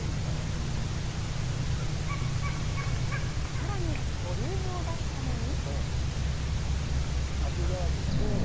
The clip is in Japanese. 更にボリュームを出すために。